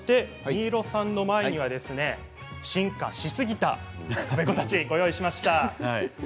新納さんの前には進化しすぎた赤べこたちをご用意しました。